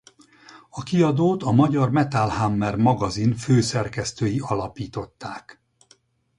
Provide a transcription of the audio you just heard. A kiadót a magyar Metal Hammer magazin főszerkesztői alapították.